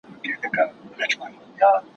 زه اوس د سبا لپاره د يادښتونه بشپړوم!.